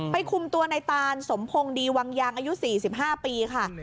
คุมตัวในตานสมพงศ์ดีวังยางอายุ๔๕ปีค่ะ